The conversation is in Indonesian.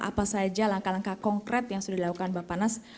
apa saja langkah langkah konkret yang sudah dilakukan bapak nas